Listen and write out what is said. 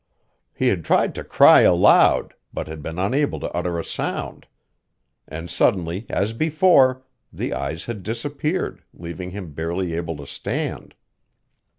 He had tried to cry aloud, but had been unable to utter a sound. And suddenly, as before, the eyes had disappeared, leaving him barely able to stand.